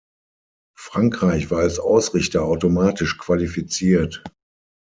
Frankreich war als Ausrichter automatisch qualifiziert.